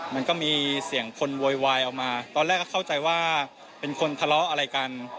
มันก็มีเสียงคนโวยวายออกมาตอนแรกก็เข้าใจว่าเป็นคนทะเลาะอะไรกัน